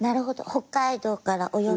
北海道からお呼び。